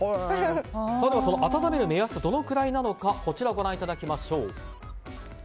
温める目安どのぐらいなのかご覧いただきましょう。